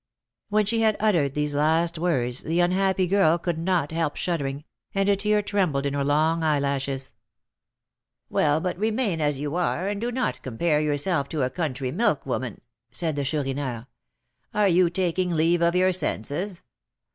When she had uttered these last words, the unhappy girl could not help shuddering, and a tear trembled in her long eyelashes. "Well, but remain as you are, and do not compare yourself to a country milkwoman," said the Chourineur. "Are you taking leave of your senses?